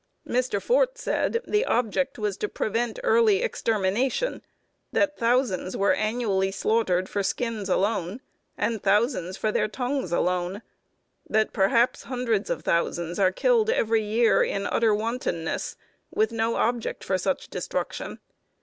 Mr. Fort said the object was to prevent early extermination; that thousands were annually slaughtered for skins alone, and thousands for their tongues alone; that perhaps hundreds of thousands are killed every year in utter wantonness, with no object for such destruction.